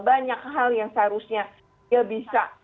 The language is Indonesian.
banyak hal yang seharusnya dia bisa